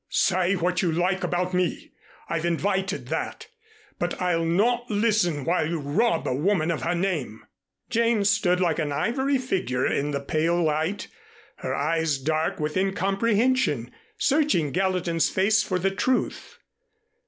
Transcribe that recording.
"Say what you like about me. I've invited that, but I'll not listen while you rob a woman of her name." Jane stood like an ivory figure in the pale light, her eyes dark with incomprehension, searching Gallatin's face for the truth.